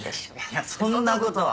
いやそんなことは。